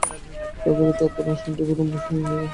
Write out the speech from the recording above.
সব জায়গাতেই আপন আসনটি অবিলম্বে জিতে নেওয়াই যেন তাঁর অভ্যাস।